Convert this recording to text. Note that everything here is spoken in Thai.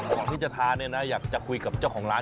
ก่อนที่จะทานเนี่ยนะอยากจะคุยกับเจ้าของร้าน